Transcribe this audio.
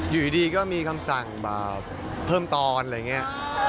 อยู่ดีก็มีคำสั่งแบบเพิ่มตอนอะไรอย่างนี้